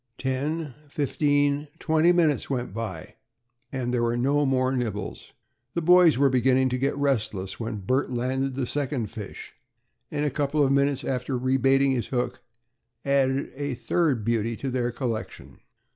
Ten, fifteen, twenty minutes went by, and there were no more nibbles. The boys were beginning to get restless, when Bert landed the second fish, and, a couple of minutes after re baiting his hook, added a third beauty to their collection.